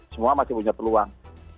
semuanya masih punya peluang